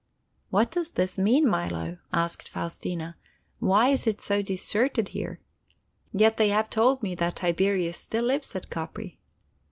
"What does this mean, Milo?" asked Faustina. "Why is it so deserted here? Yet they have told me that Tiberius still lives at Capri."